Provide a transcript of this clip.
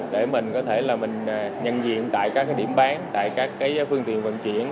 để mình có thể nhận diện tại các điểm bán tại các phương tiện vận chuyển